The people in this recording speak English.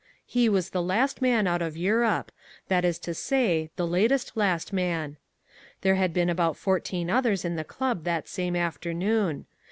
He was the last man out of Europe, that is to say, the latest last man. There had been about fourteen others in the club that same afternoon.